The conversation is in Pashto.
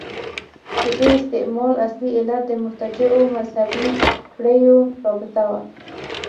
د دې استعمال اصلي علت د مرتجعو مذهبي کړیو رابطه وه.